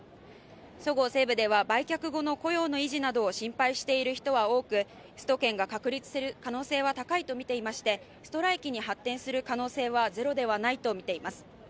そごう・西武では売却後の雇用の維持などを心配している人は多くスト権が確立する可能性は高いとみていまして、ストライキに発展する可能性はゼロではないと見ています。